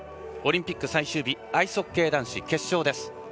オリンピック最終日アイスホッケー男子決勝。